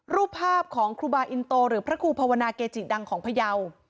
รูปภาพของครูบาอินโตหรือพระครูภาวนาเกจิดังของพยาว